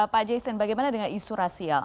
pak jason bagaimana dengan isu rasial